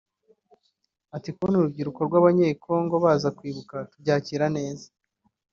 Ati “Kubona urubyiruko rw’abanyekongo baza kwibuka tubyakira neza